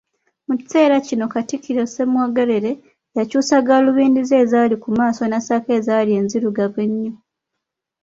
Mu kiseera kino Katikkiro Ssemwogerere, yakyusa galubindi ze ezaali ku maaso, nassaako ezaali enzirugavu ennyo.